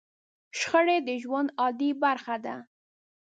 شخړې د ژوند عادي برخه ده.